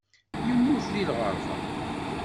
Yemmut deg lɣerba.